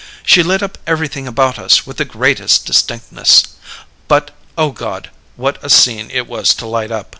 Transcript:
She lit up everything about us with the greatest distinctness but, O God, what a scene it was to light up!